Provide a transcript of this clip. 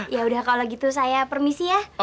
ya udah kalau gitu saya permisi ya